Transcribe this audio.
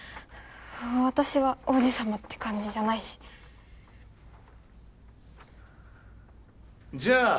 私は王子様って感じじゃないしじゃあ